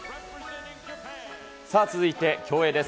続いて競泳です。